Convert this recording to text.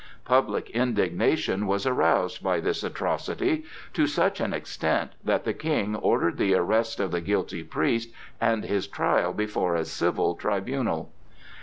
Public indignation was aroused by this atrocity to such an extent that the King ordered the arrest of the guilty priest and his trial before a civil tribunal.